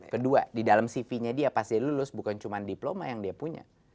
kedua di dalam cv nya dia pas dia lulus bukan cuma diploma yang dia punya